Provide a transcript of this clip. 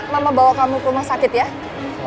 mama bawa kamu ke rumah sakit ya